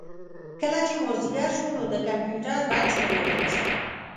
کله چې مازدیګر شو نو د کمپیوټر بکس مې واخېست.